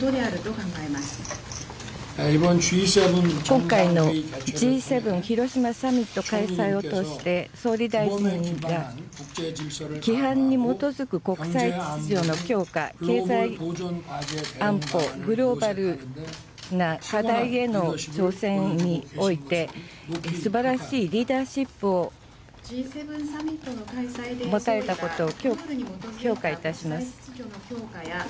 今回のＧ７広島サミット開催を通して、総理大臣が規範に基づく国際秩序の強化、経済安保、グローバルな課題への挑戦において、すばらしいリーダーシップを持たれたことを。